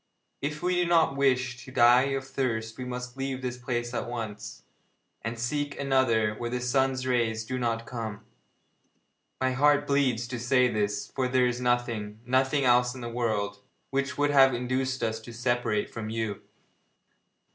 If we do not wish to die of thirst we must leave this place at once, and seek another where the sun's rays do not come. My heart bleeds to say this, for there is nothing nothing else in the world which would have induced us to separate from you.'